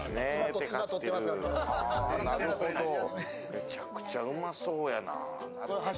めちゃくちゃうまそうやな。